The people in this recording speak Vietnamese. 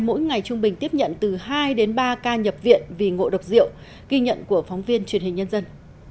mỗi ngày trung bình tiếp nhận từ hai đến ba ca nhập viện vì ngộ độc rượu ghi nhận của phóng viên truyền hình nhân dân